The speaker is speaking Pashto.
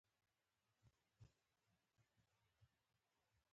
له دې مخکې د هغه په اتو غزلونو کې.